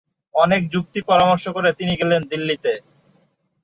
অনেক যুক্তি পরামর্শ করে তিনি গেলেন দিল্লিতে।